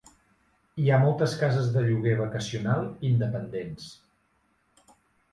Hi ha moltes cases de lloguer vacacional independents.